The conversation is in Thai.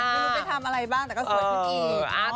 ไม่รู้เป็นทำอะไรบ้างแต่ก็สวยพวกนี้